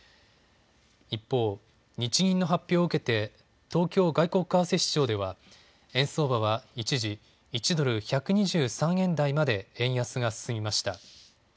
一方、日銀の発表を受けて東京外国為替市場では円相場は一時、１ドル１２３円台まで円安が進みました。